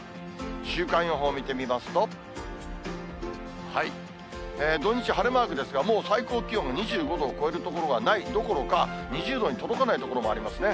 週間予報を見てみますと、土日、晴れマークですが、もう最高気温２５度を超える所はないどころか、２０度に届かない所もありますね。